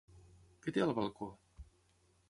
Què té al balcó?